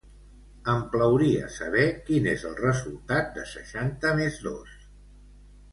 Em plauria saber quin és el resultat de seixanta més dos?